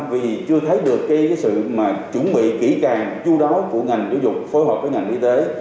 vì chưa thấy được cái sự mà chuẩn bị kỹ càng du đói của ngành giáo dục phối hợp với ngành y tế